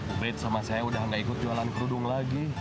uprit sama saya udah gak ikut jualan kerudung lagi